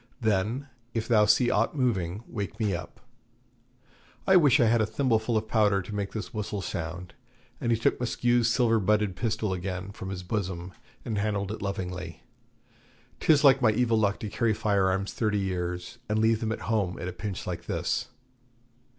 Then, if thou see aught moving, wake me up. I wish I had a thimbleful of powder to make this whistle sound' and he took Maskew's silver butted pistol again from his bosom, and handled it lovingly, 'tis like my evil luck to carry fire arms thirty years, and leave them at home at a pinch like this.'